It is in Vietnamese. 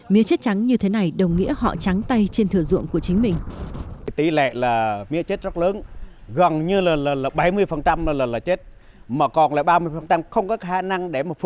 mía chết trắng như thế này đồng nghĩa họ trắng tay trên thừa ruộng của chính mình